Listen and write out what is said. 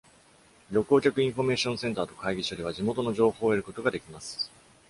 旅行客インフォメーションセンターと会議所では地元の情報を得ることが出来ます。